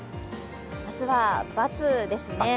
明日は×ですね。